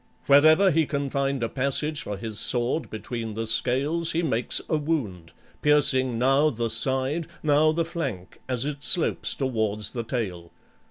Wherever he can find a passage for his sword between the scales he makes a wound, piercing now the side, now the flank, as it slopes towards the tail.